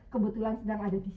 kebetulan sedang ada disini